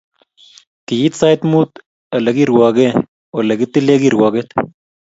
Kiit sait mut Ole kirwoke ole kikitile kirwoket